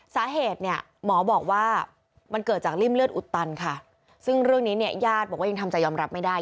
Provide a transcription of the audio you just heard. สาเหตุเนี่ยหมอบอกว่ามันเกิดจากริ่มเลือดอุดตันค่ะซึ่งเรื่องนี้เนี่ยญาติบอกว่ายังทำใจยอมรับไม่ได้